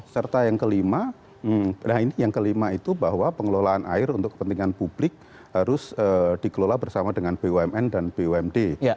serta yang kelima nah ini yang kelima itu bahwa pengelolaan air untuk kepentingan publik harus dikelola bersama dengan bumn dan bumd